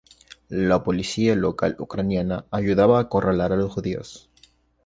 La policía local ucraniana ayudaba a acorralar a los judíos.